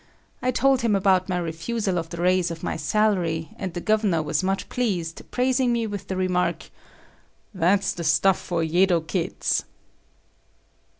I told him about my refusal of the raise of my salary, and the Gov'nur was much pleased, praising me with the remark, "That's the stuff for Yedo kids."